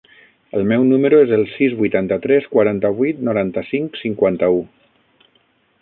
El meu número es el sis, vuitanta-tres, quaranta-vuit, noranta-cinc, cinquanta-u.